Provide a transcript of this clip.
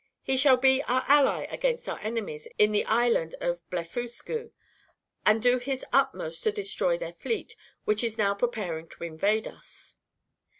He shall be our ally against our enemies in the Island of Blefuscu, and do his utmost to destroy their fleet, which is now preparing to invade us.